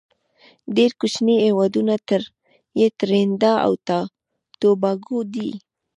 ډیر کوچینی هیوادونه یې تريندا او توباګو دی.